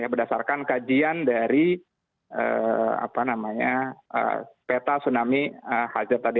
berdasarkan kajian dari peta tsunami hazard tadi